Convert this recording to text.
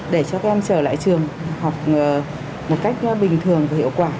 để cho các em trở lại trường học một cách bình thường và hiệu quả